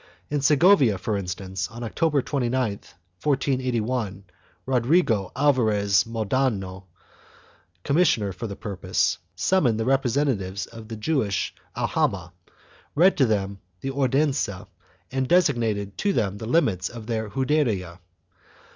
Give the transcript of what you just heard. In Segovia, for instance, on October 29, 1481, Rodrigo Alvarez Maldonado, commissioner for the purpose, summoned the representatives of the Jewish aljama, read to them the Ordenanza, and designated to them the limits of their Juderia.